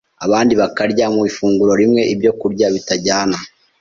Abandi bakarya mu ifunguro rimwe ibyokurya bitajyana.